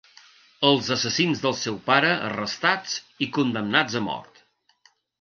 Els assassins del seu pare arrestats i condemnats a mort.